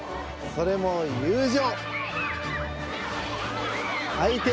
それも友情！